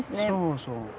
そうそう。